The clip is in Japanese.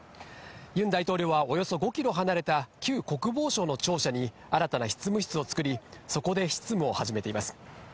ユン大統領はおよそ５キロ離れた旧国防省の庁舎に、新たな執務室を作り、そこで執務を始めています。